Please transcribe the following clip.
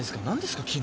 何ですか？